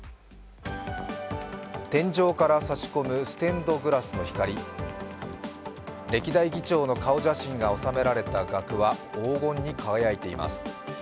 天井から差し込むステンドグラスの光、歴代議長の顔写真が納められた額は黄金に輝いています。